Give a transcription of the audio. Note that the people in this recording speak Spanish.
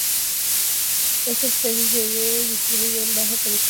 Esta especie se distribuye en Baja California y Baja California Sur.